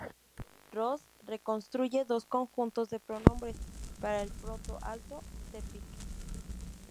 Ross reconstruye dos conjuntos de pronombres para el proto-alto-Sepik.